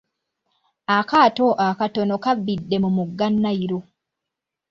Akaato akatono kabbidde mu mugga Nile.